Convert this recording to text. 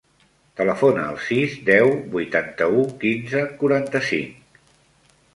Telefona al sis, deu, vuitanta-u, quinze, quaranta-cinc.